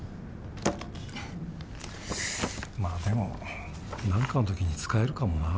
まあでもなんかの時に使えるかもなあ。